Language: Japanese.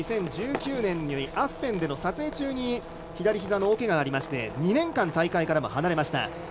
２０１９年にアスペンでの撮影中に左ひざの大けががあり２年間、大会からも離れました。